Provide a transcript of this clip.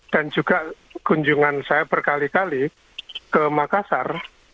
dan juga kunjungan saya berkali kali ke makassar